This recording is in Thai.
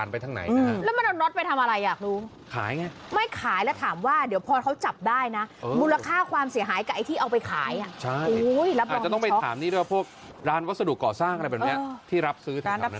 เป็นเสาไฟฟ้าแรงสูงล้มต่อกัน